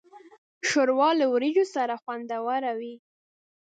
ښوروا له وریژو سره خوندوره وي.